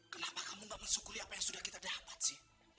kenapa kamu gak mensyukuri apa yang sudah kita dapat sih